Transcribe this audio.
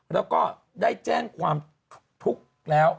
แล้วก็ได้แจ้งความทุกข์แล้ว